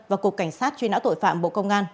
và cục cảnh sát truy nã tội phạm bộ công an